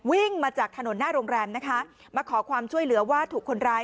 วิ่งมาจากถนนหน้าโรงแรมนะคะมาขอความช่วยเหลือว่าถูกคนร้าย